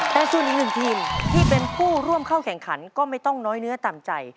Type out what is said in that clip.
แต่ส่วนอีกหนึ่งทีมที่เป็นผู้ร่วมเข้าแข่งขันก็ไม่ต้องน้อยเนื้อต่ำใจ